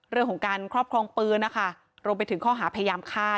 เรื่องของการครอบครองปืนนะคะรวมไปถึงข้อหาพยายามฆ่า